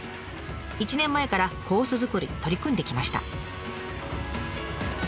１年前からコース作りに取り組んできました。